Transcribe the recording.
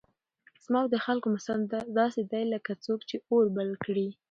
زما او د خلكو مثال داسي دئ لكه څوك چي اور بل كړي